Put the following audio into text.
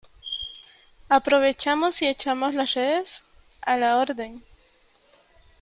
aprovechamos y echamos las redes . a la orden .